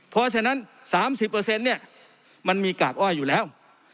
เพราะฉะนั้น๓๐เนี่ยมันมีกากอ้อยอยู่แล้ว